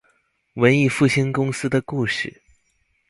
文藝復興公司的故事